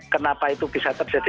kenapa itu bisa terjadi